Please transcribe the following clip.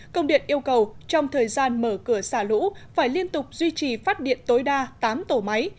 công điện yêu cầu trong thời gian mở cửa xả lũ phải liên tục duy trì phát điện tối đa tám tổ máy